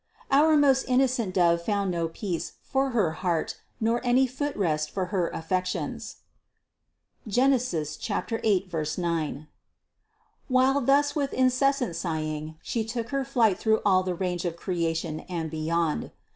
684. Our most innocent Dove found no peace for her heart nor any footrest for her affections (Gen. 8, 9) while thus with incessant sighing She took her flight through all the range of creation and beyond.